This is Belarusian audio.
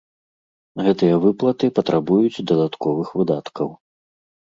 Гэтыя выплаты патрабуюць дадатковых выдаткаў.